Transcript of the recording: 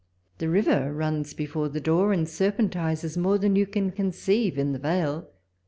The river runs before the door, and serpentises more than you can con ceive in the vale.